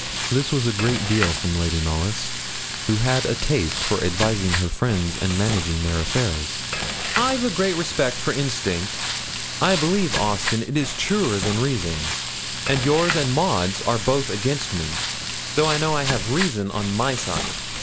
This was a great deal from Lady Knollys, who had a taste for advising her friends and managing their affairs. 'I've a great respect for instinct. I believe, Austin, it is truer than reason, and yours and Maud's are both against me, though I know I have reason on my side.'